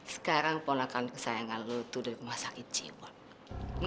sekarang ponakan kesayangan lu tuh dari rumah sakit jiwon